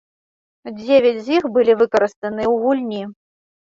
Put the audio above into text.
Дзевяць з іх былі выкарыстаныя ў гульні.